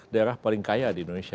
daerah paling kaya di indonesia